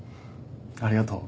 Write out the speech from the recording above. ありがとう。